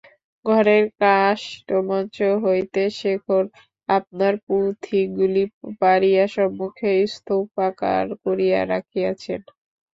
ঘরের কাষ্ঠমঞ্চ হইতে শেখর আপনার পুঁথিগুলি পাড়িয়া সম্মুখে স্তূপাকার করিয়া রাখিয়াছেন।